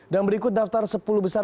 dan berikut daftar sepuluh besar